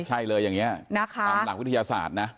ใช่เลยอย่างนี้นะคะตามหลักวิทยาศาสตร์นะ